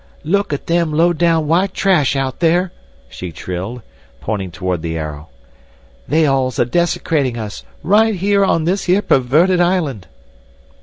"Look at them low down white trash out there!" she shrilled, pointing toward the Arrow. "They all's a desecrating us, right here on this here perverted island."